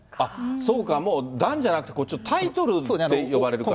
そうか、もう、段じゃなくて、タイトルって呼ばれるから。